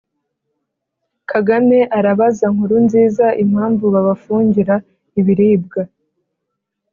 Kagame arabaza Nkurunziza impamvu babafungira ibilibwa.